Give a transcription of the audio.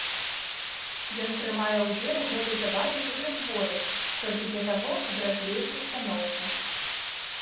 Ён прымае ўдзел у гэтай забаве супраць волі, толькі для таго каб развеяць абстаноўку.